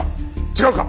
違うか！？